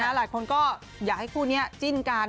หลายคนก็อยากให้คู่นี้จิ้นกัน